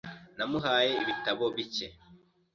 Namuhaye ibitabo bike .